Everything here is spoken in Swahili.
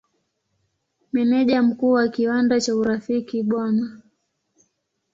Meneja Mkuu wa kiwanda cha Urafiki Bw.